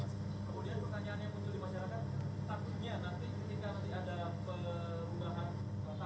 jadi jika nanti ada perubahan tarif akan lebih mahal gak pak dari tarif yang biasanya